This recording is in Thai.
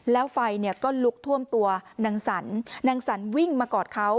แล้วไฟเนี่ยก็ลุกท่วมตัวนางสรรนางสรรวิ่งมากอดเขา